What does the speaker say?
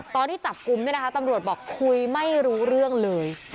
ตอนที่จับกลุ่มเนี่ยนะคะตำรวจบอกคุยไม่รู้เรื่องเลย